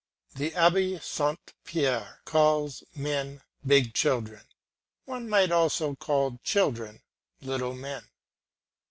The Abbe Saint Pierre calls men big children; one might also call children little men.